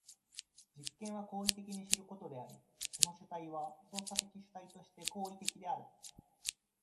実験は行為的に知ることであり、その主体は操作的主体として行為的である。